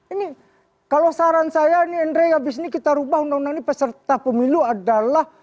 ini kalau saran saya ini andre abis ini kita rubah undang undang ini peserta pemilu adalah